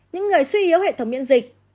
những người suy yếu hệ thống miễn dịch